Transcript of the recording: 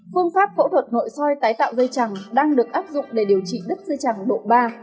phương pháp phẫu thuật nội soi tái tạo dây chẳng đang được áp dụng để điều trị đứt dây chẳng độ ba